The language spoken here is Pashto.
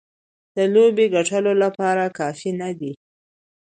د لوبې ګټلو لپاره کافي نه دي.